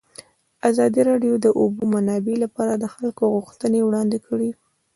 ازادي راډیو د د اوبو منابع لپاره د خلکو غوښتنې وړاندې کړي.